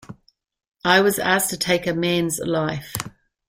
I was asked to take a man's life.